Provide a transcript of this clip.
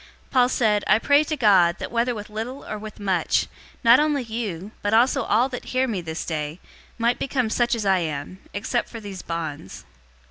026:029 Paul said, "I pray to God, that whether with little or with much, not only you, but also all that hear me this day, might become such as I am, except for these bonds."